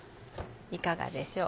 いかがでしょう。